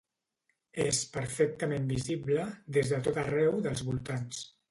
És perfectament visible des de tot arreu dels voltants.